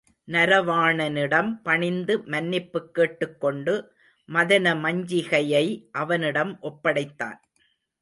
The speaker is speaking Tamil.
நரவாணனிடம் பணிந்து மன்னிப்புக் கேட்டுக் கொண்டு மதனமஞ்சிகையை அவனிடம் ஒப்படைத்தான்.